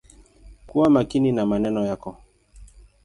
Kuwa makini na maneno yako.